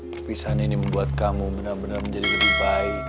pipisan ini membuat kamu benar benar menjadi lebih baik